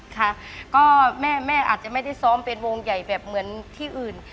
ค่ะก็แม่อาจจะไม่ได้ซ้อมเป็นวงใหญ่แบบเหมือนที่อื่น